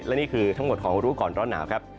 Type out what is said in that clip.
และนี่คือทั้งหมดของรู้ก่อนร้อนหนาวครับ